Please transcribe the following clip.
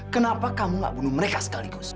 kenapa kamu gak bunuh mereka sekaligus